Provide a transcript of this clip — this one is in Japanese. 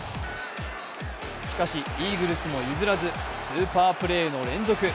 しかし、イーグルスも譲らずスーパープレーの連続。